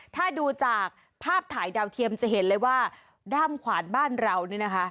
ถ้าดูจากภาพถ่ายดาวเทียมจะเห็นเลยว่าด้ามขวานบ้านเรานี่นะคะ